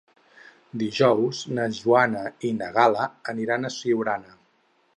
Dijous na Joana i na Gal·la aniran a Siurana.